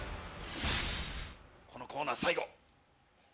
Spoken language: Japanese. このコーナー最後。